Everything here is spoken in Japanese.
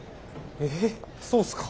えっそうすか？